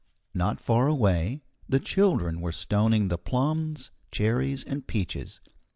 Not far away, the children were stoning the plums, cherries, and peaches.